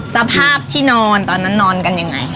สภาพที่นอนตอนนั้นนอนกันยังไง